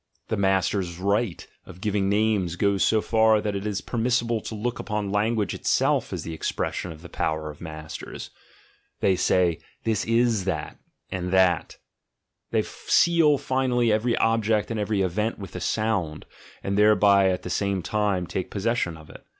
(The masters' right of giving names goes so far that it is permissible to look upon language itself as the ex pression of the power of the masters: they say "this is that, and that," they seal finally every object and every event with a sound, and thereby at the same time take possession of it.)